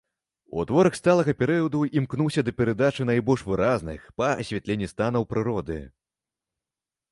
У творах сталага перыяду імкнуўся да перадачы найбольш выразных па асвятленні станаў прыроды.